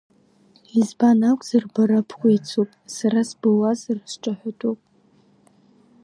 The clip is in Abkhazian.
Избан акәзар, бара бкәицуп, са сбылуазар сҿаҳәатәуп.